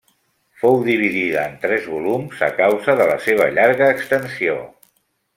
Fou dividida en tres volums a causa de la seva llarga extensió.